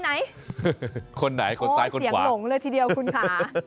คนไหนคนซ้ายคนขวาโอ๊ยเสียงหลงเลยทีเดียวคุณค่ะ